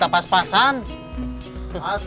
kumpul privasi standard